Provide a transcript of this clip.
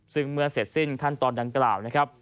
ซึ่งเมื่อเสร็จสิ้นขั้นตอนดังกราบ